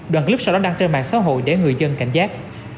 đoàn clip sau đó đang trên mạng xã hội để người dân cảnh giác